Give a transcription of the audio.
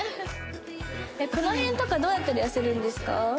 この辺とかどうやったら痩せるんですか？